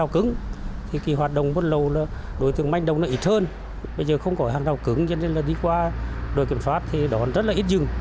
khi hoạt động buôn lậu đối tượng manh động ít hơn bây giờ không có hàng rào cứng đi qua đội kiểm soát rất ít dừng